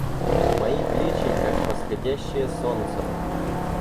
Мои плечи, как восходящие солнца!